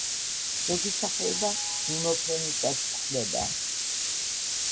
ზოგი სახეობა მიმოფრენისას გვხვდება.